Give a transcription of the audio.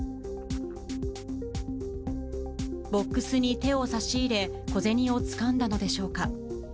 ボックスに手を差し入れ、小銭をつかんだのでしょうか。